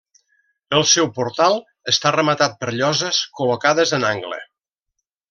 El seu portal està rematat per lloses col·locades en angle.